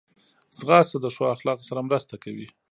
ځغاسته د ښو اخلاقو سره مرسته کوي